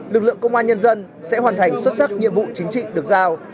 lực lượng công an nhân dân sẽ hoàn thành xuất sắc nhiệm vụ chính trị được giao